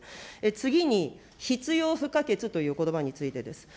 次に、必要不可欠ということばについてです。